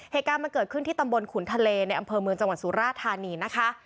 เหตุการณ์มันเกิดขึ้นที่ตำบลขุนทะเลในอำเภอเมืองจังหวัดสุราธานีนะคะ